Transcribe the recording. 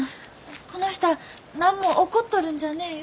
この人はなんも怒っとるんじゃねえよ。